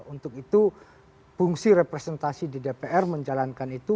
untuk itu fungsi representasi di dpr menjalankan itu